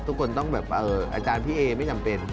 ทุกคนต้องแบบอาจารย์พี่เอไม่จำเป็น